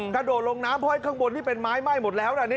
กระโดดลงน้ำเพราะข้างบนนี่เป็นไม้ไหม้หมดแล้วนะ